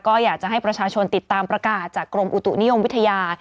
ก็อยากจะให้ประชาชนติดตามประกาศจากกรมอุตุนิยมวิทยา